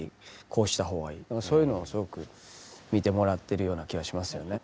こうした方がいいそういうのをすごく見てもらってるような気がしますよね。